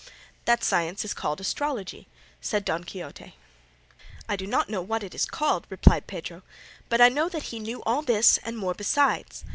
'" "That science is called astrology," said Don Quixote. "I do not know what it is called," replied Pedro, "but I know that he knew all this and more besides.